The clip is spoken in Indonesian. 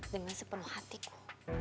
dengan sepenuh hatiku